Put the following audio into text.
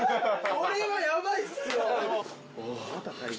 これはヤバいっすよ